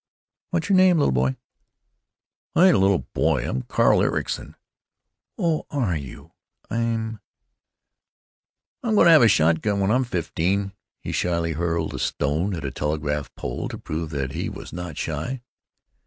"What's your name, little boy?" "Ain't a little boy. I'm Carl Ericson." "Oh, are you? I'm——" "I'm gonna have a shotgun when I'm fifteen." He shyly hurled a stone at a telegraph pole to prove that he was not shy.